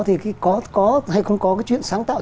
thì có hay không có cái chuyện sáng tạo